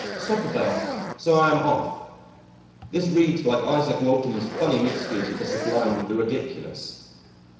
Supper bell so I am off.... This reads like Isaac Walton's funny mixtures of the sublime with the ridiculous.